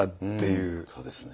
うんそうですね。